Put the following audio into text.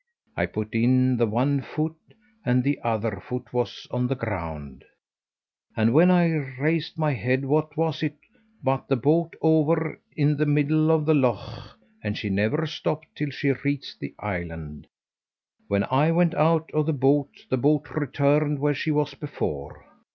I put in the one foot, and the other foot was on the ground, and when I raised my head what was it but the boat over in the middle of the loch, and she never stopped till she reached the island. When I went out of the boat the boat returned where she was before.